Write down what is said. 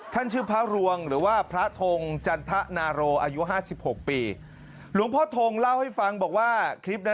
ท่านชื่อพระรวงหรือว่าพระทงจันทะนาโรอายุ๕๖ปี